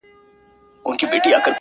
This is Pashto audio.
څوك به بولي له اټكه تر مالانه-